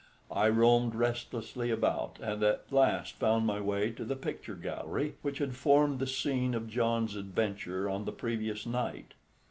I roamed restlessly about, and at last found my way to the picture gallery, which had formed the scene of John's adventure on the previous night.